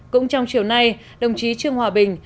cũng trong chiều nay đồng chí trương hòa bình